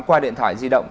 qua điện thoại di động